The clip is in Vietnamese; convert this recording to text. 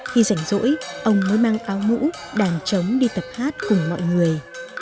khi rảnh rỗi ông mới mang áo mũ đàn trống đi tập hát cùng mọi người